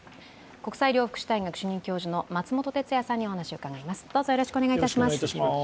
国際医療福祉大学主任教授の松本哲哉さんにお話を伺います。